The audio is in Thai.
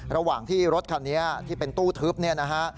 ระหว่างที่รถคันนี้ที่เป็นตู้ทึบเนี่ยนะฮะ